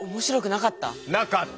なかった！